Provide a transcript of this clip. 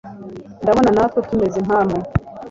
ndabona natwe tumeze nkamwe